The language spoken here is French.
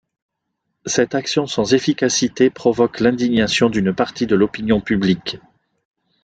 Cette action sans efficacité provoque l'indignation d'une partie de l'opinion publique.